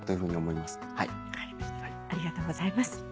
ありがとうございます。